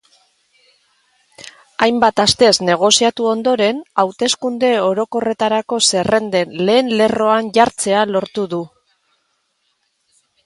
Hainbat astez negoziatu ondoren, hauteskunde orokorretarako zerrenden lehen lerroan jartzea lortu du.